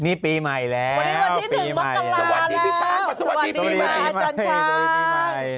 นี่ปีใหม่แล้วสวัสดีพี่ฟัง